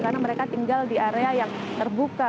karena mereka tinggal di area yang terbuka